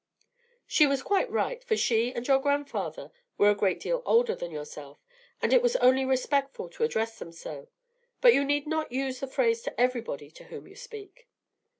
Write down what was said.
"She was quite right; for she and your grandfather were a great deal older than yourself, and it was only respectful to address them so. But you need not use the phrase to everybody to whom you speak."